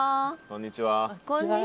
こんにちは。